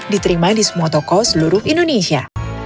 diterima di semua toko seluruh indonesia